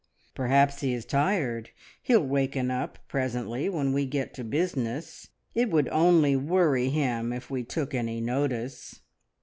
"Perhaps he is tired. He'll waken up presently when we get to business. It would only worry him if we took any notice."